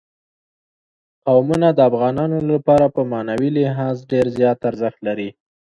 قومونه د افغانانو لپاره په معنوي لحاظ ډېر زیات ارزښت لري.